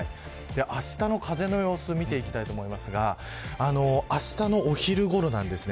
あしたの風の様子見ていきたいと思いますがあしたの、お昼ごろなんですね。